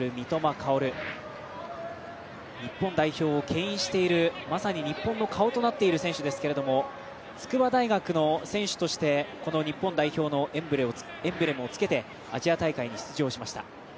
薫日本代表をけん引しているまさに、日本の顔となっている選手ですけれども筑波大学の選手としてこの日本代表のエンブレムをつけてアジア大会に出場しました。